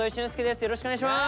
よろしくお願いします。